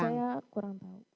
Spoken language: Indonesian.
saya kurang tahu